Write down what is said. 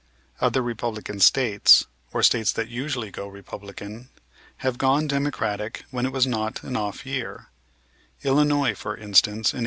Other Republican States, or States that usually go Republican, have gone Democratic when it was not an off year, Illinois, for instance, in 1892.